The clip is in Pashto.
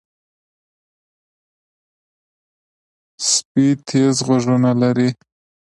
سپي تیز غوږونه لري.